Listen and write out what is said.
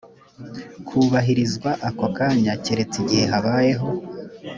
kubahirizwa ako kanya keretse igihe habayeho